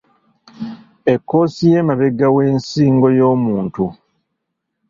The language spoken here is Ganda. Ekkoosi y'emabega w’ensingo y'omuntu.